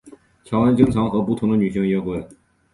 乔恩经常和不同的女性约会。